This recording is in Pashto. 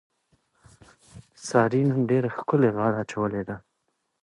سارې نن ډېره ښکلې غاړه اچولې ده.